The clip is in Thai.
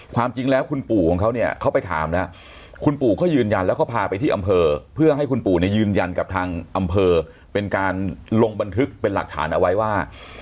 ความจริงแล้วคุณปู่ของเขาเนี่ยเขาไปถามแล้วคุณปู่เขายืนยันแล้วก็พาไปที่อำเภอเพื่อให้คุณปู่เนี่ยยืนยันกับทางอำเภอเป็นการลงบันทึกเป็นหลักฐานเอาไว้ว่า